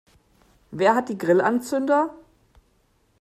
Wer hat die Grillanzünder?